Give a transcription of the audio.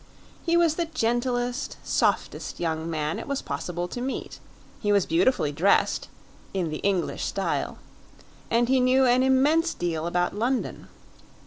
He was the gentlest, softest young man it was possible to meet; he was beautifully dressed "in the English style" and he knew an immense deal about London.